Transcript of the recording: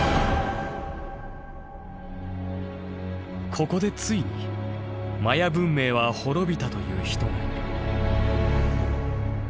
ここでついにマヤ文明は滅びたという人がいる。